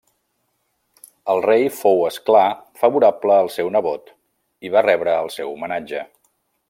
El rei fou, és clar, favorable al seu nebot i va rebre el seu homenatge.